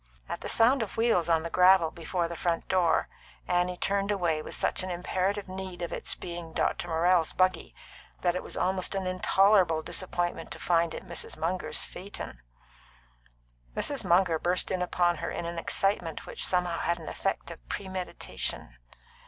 At the sound of wheels on the gravel before the front door, Annie turned away with such an imperative need of its being Dr. Morrell's buggy that it was almost an intolerable disappointment to find it Mrs. Munger's phaeton. Mrs. Munger burst in upon her in an excitement which somehow had an effect of premeditation.